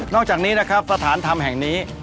อกจากนี้นะครับสถานธรรมแห่งนี้